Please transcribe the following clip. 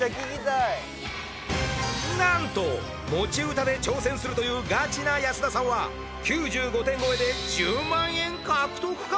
なんと持ち歌で挑戦するというガチな保田さんは９５点超えで１０万円獲得か？